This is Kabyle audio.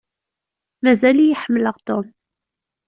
Mazal-iyi ḥemmleɣ Tom.